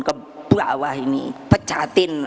ke bawah ini pecatin